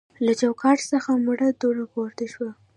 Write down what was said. له چوکاټ څخه مړه دوړه پورته شوه.